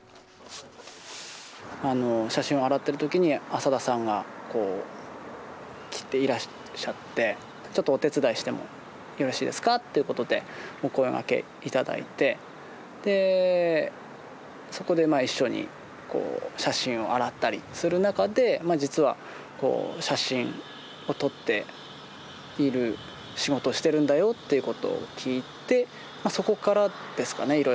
写真を洗ってる時に浅田さんがいらっしゃってちょっとお手伝いしてもよろしいですかっていうことでお声がけ頂いてでそこでまあ一緒に写真を洗ったりする中で実は写真を撮っている仕事をしてるんだよっていうことを聞いてそこからですかね